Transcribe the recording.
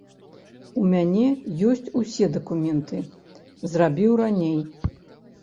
У мяне ёсць усе дакументы, зрабіў раней.